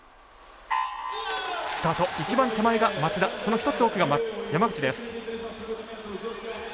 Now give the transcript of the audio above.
一番手前が松田その１つ奥が山口です。